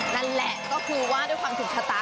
นั่นแหละก็คือว่าด้วยความถูกชะตา